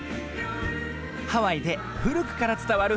ハワイでふるくからつたわる